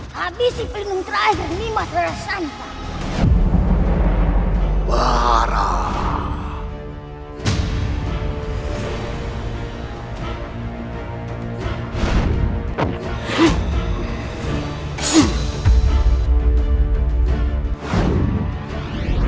hari ini kau akan sampai